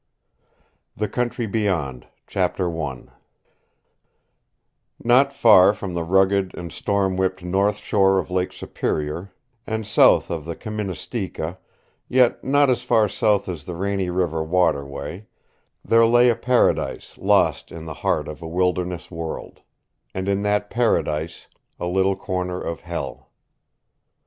THE COUNTRY BEYOND CHAPTER I Not far from the rugged and storm whipped north shore of Lake Superior, and south of the Kaministiqua, yet not as far south as the Rainy River waterway, there lay a paradise lost in the heart of a wilderness world and in that paradise "a little corner of hell."